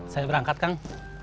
saya berangkat kang